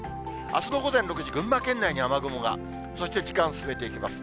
あすの午前６時、群馬県内に雨雲が、そして時間進めていきます。